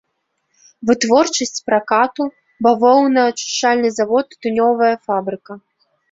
Вытворчасць пракату, бавоўнаачышчальны завод, тытунёвая фабрыка.